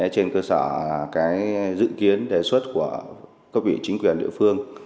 trên cơ sở dự kiến đề xuất của cấp vị chính quyền địa phương